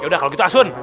yaudah kalau gitu asun